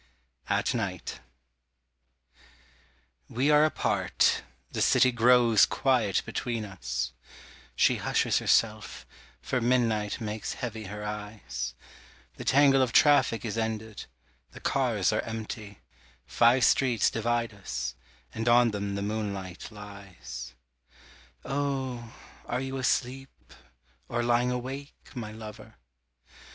AT NIGHT WE are apart; the city grows quiet between us, She hushes herself, for midnight makes heavy her eyes, The tangle of traffic is ended, the cars are empty, Five streets divide us, and on them the moonlight lies. Oh are you asleep, or lying awake, my lover?